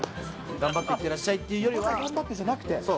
頑張っていってらっしゃいっていパパ、頑張ってじゃなくて。